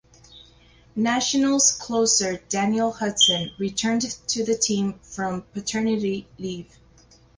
Nationals closer Daniel Hudson returned to the team from paternity leave.